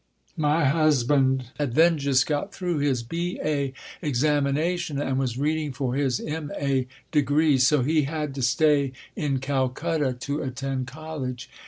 My husband had then just got through his B.A. examination and was reading for his M.A. degree; so he had to stay in Calcutta to attend college.